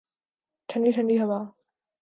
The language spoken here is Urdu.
ٹھنڈی ٹھنڈی ہوا